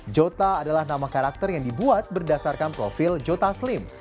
jota adalah nama karakter yang dibuat berdasarkan profil jota slim